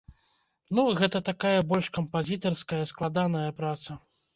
Ну, гэта такая больш кампазітарская, складаная праца.